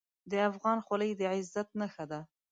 د افغان خولۍ د عزت نښه ده.